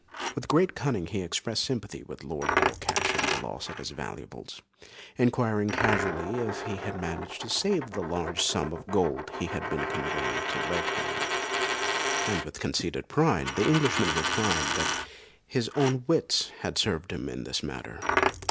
With great cunning he expressed sympathy with Lord Allcash in the loss of his valuables, enquiring casually if he had managed to save the large sum of gold he had been conveying to Leghorn; and with conceited pride, the Englishman replied that his own wits had served him in this matter.